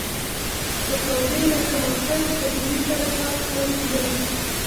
پکورې له ټماټر چټني سره خاص خوند لري